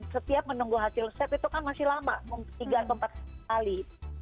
setiap menunggu hasil swab itu kan masih lama tiga atau empat kali